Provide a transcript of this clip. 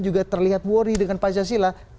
juga terlihat worry dengan pancasila